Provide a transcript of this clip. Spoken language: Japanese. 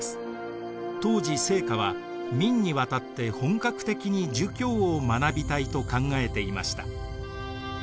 当時惺窩は明に渡って本格的に儒教を学びたいと考えていました。